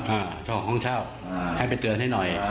เจ้าของห้องเช่าให้ไปเตือนให้หน่อย